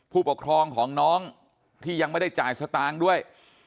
ผู้ปกครองของน้องที่ยังไม่ได้จ่ายสตางค์ด้วย